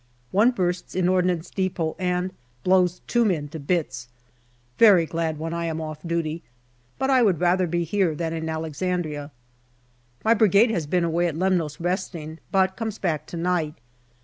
One bursts in Ordnance depot and blows two men to bits. Very glad when I am off duty, but I would rather be here than in Alexandria. My Brigade has been away at Lemnos resting, but comes back to night.